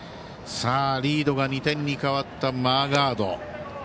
リードが２点に変わったマーガード。